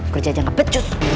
kerja aja gak becus